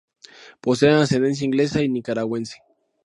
Posee ascendencia inglesa y nicaragüense.